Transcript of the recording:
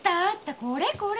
これこれ！